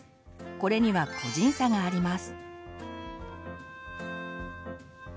これには個人差があります。